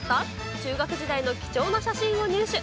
中学時代の貴重な写真を入手。